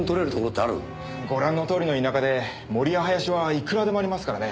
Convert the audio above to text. ご覧のとおりの田舎で森や林はいくらでもありますからね。